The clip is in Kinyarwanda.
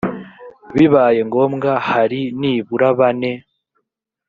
bibaye ngombwa hari nibura bane